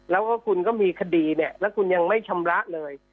แล้วก็คุณก็มีคดีเนี่ยแล้วคุณยังไม่ชำระเลย